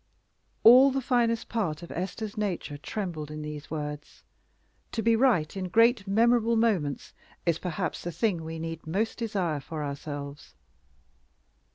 All the finest part of Esther's nature trembled in those words. To be right in great memorable moments is perhaps the thing we need most desire for ourselves.